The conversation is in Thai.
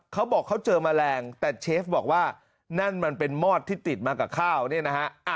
เขาบอกเขาเจอแมลงแต่เชฟบอกว่านั่นมันเป็นมอดที่ติดมากับข้าวเนี่ยนะฮะ